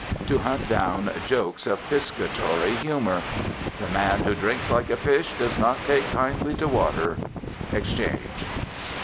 To hunt down jokes of piscatory humour. "The man who drinks like a fish does not take kindly to water. Exchange."